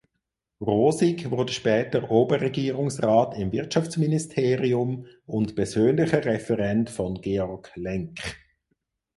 Rosig wurde später Oberregierungsrat im Wirtschaftsministerium und persönlicher Referent von Georg Lenk.